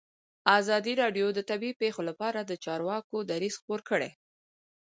ازادي راډیو د طبیعي پېښې لپاره د چارواکو دریځ خپور کړی.